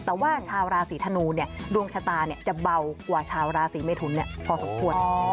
แต่ว่าชาวราศีธนูเนี่ยดวงชะตาจะเบากว่าชาวราศีเมทุนพอสมควร